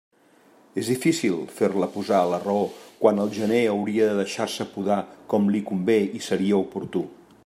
És difícil fer-la posar a la raó quan al gener hauria de deixar-se podar com li convé i seria oportú.